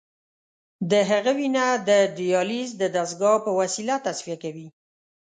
د هغه وینه د دیالیز د دستګاه په وسیله تصفیه کوي.